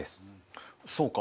そうか。